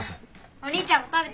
お兄ちゃんも食べて。